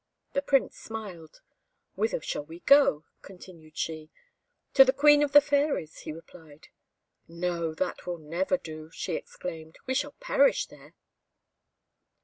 The Prince smiled. "Whither shall we go?" continued she. "To the Queen of the Fairies," he replied. "No, that will never do," she exclaimed; "we shall perish there!"